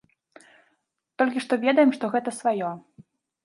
Толькі што ведаем, што гэта сваё.